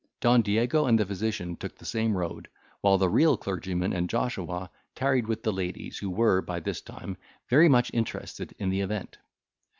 Don Diego and the physician took the same road, while the real clergyman and Joshua tarried with the ladies, who were, by this time, very much interested in the event.